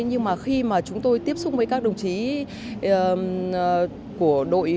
nhưng mà khi mà chúng tôi tiếp xúc với các đồng chí của đội